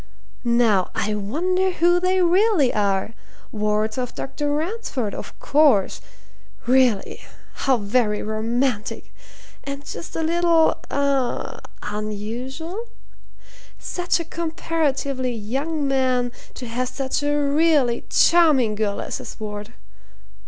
Now I wonder who they really are? Wards of Dr. Ransford, of course! Really, how very romantic! and just a little eh? unusual? Such a comparatively young man to have such a really charming girl as his ward!